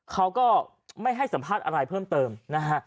เขาก็ไม่ให้สัมภาษณ์อะไรเพิ่มเติมนะฮะ